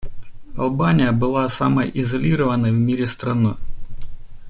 Албания была самой изолированной в мире страной.